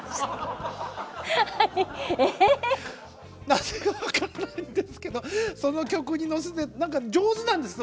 なぜか分かんないんですけどその曲に乗せて上手なんです。